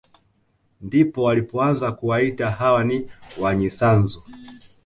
Ndipo walipoanza kuwaita hawa ni wanyisanzu